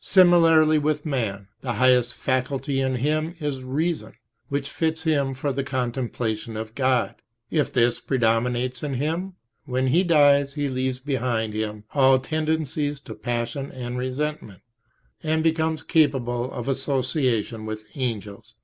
Similarly with man: the highest faculty in him is reason, which fits him for the contemplation of God. If this. predominates in him, when he dies, he leaves behind him all tendencies to passion and resentment, and becomes capable of association with angels.